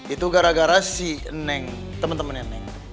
itu gara gara si neng temen temennya neng